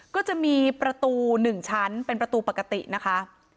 ก็จะมีประตู๑ชั้นเป็นประตูปกตินะคะ